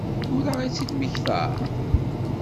Tura i tt-id-temmektaḍ?